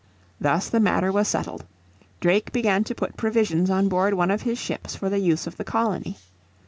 Thus the matter was settled. Drake began to put provisions on board one of his ships for the use of the colony.